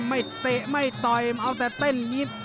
เตะไม่ต่อยเอาแต่เต้นยิบ